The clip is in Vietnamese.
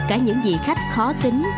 cả những vị khách khó tính